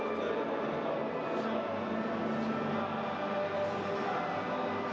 เจอก็เท่าครับ